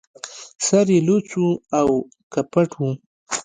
سر يې لڅ و او که پټ و